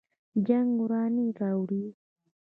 جنګ ورانی راوړي